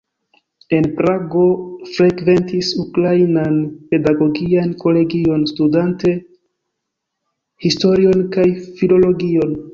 En Prago frekventis Ukrainan pedagogian kolegion, studante historion kaj filologion.